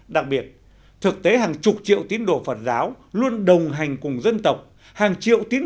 đặc biệt thực tế hàng chục triệu tín đồ phật giáo luôn đồng hành cùng dân tộc hàng triệu tiến